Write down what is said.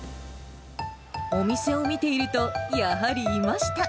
お店を見ていると、やはりいました。